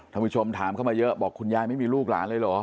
ผู้ชมถามเข้ามาเยอะบอกคุณยายไม่มีลูกหลานเลยเหรอ